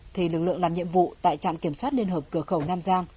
thì lực lượng làm nhiệm vụ tại trạm kiểm soát liên hợp cửa khẩu nam giang